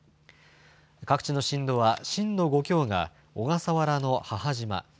各地の震度は震度５強が小笠原の母島。